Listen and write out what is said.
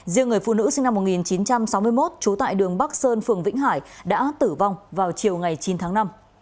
riêng người phụ nữ sinh năm một nghìn chín trăm sáu mươi một trú tại đường bắc sơn phường vĩnh hải đã tử vong vào chiều ngày chín tháng năm